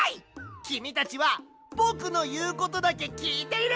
きみたちはぼくのいうことだけきいていればいいんだ！